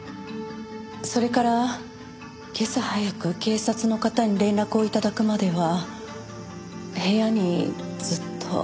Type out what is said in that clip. それから今朝早く警察の方に連絡を頂くまでは部屋にずっと。